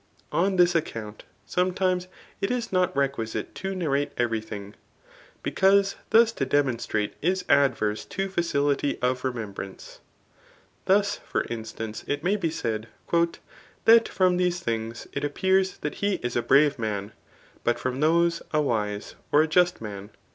On this account, sometimes it is not requisite to narrate every thing, because thus to demonstrate is adverse to facility of remembrance. [Thus, for instance, it may be said,] ^' That from these things it appears that he is a brave man ; but from those, a wise, or just man.